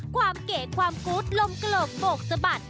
ความเก๋ความกุฎลมกะโหลกโหมกสะบัด